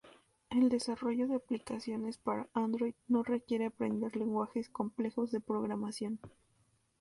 El desarrollo de aplicaciones para Android no requiere aprender lenguajes complejos de programación.